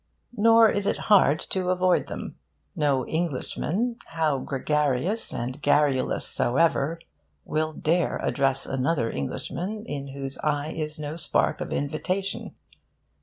Nor is it hard to avoid them. No Englishman, how gregarious and garrulous soever, will dare address another Englishman in whose eye is no spark of invitation.